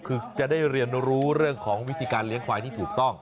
คือจะได้เรียนรู้เรื่องของวิธีการเลี้ยงควายที่ถูกต้อง